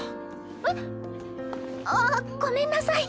えっ？あっごめんなさい。